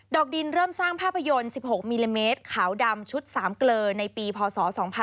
อกดินเริ่มสร้างภาพยนตร์๑๖มิลลิเมตรขาวดำชุด๓เกลอในปีพศ๒๕๖๒